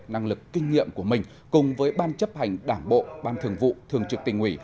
năng lực kinh nghiệm của mình cùng với ban chấp hành đảng bộ ban thường vụ thường trực tỉnh ủy